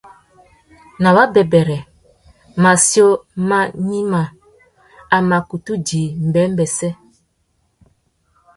Nà wabêbêrê, matiō mà gnïmá, a mà kutu djï mbêmbêssê.